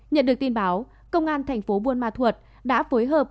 nhận được tin báo công an thành phố buôn ma thuột đã phối hợp